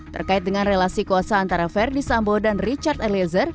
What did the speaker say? terkait dengan relasi kuasa antara verdi sambo dan richard eliezer